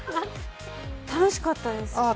楽しかったです。